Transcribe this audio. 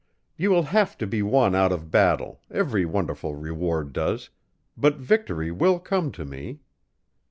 You will have to be won out of battle, every wonderful reward does but victory will come to me."